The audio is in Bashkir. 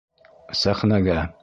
Сәхнәгә!